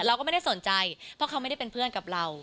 เราก็ไม่ได้สนใจเพราะเขาไม่ได้เป็นเพื่อนกับเรา